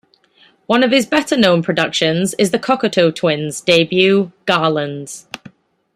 One of his better-known productions is the Cocteau Twins' debut "Garlands".